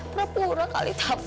berapa orang kali telfonannya